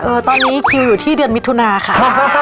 ตอนนี้คิวอยู่ที่เดือนมิถุนาค่ะ